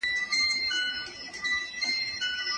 ایا کرکه یوازې د نارینه وو ځانګړتیا ده؟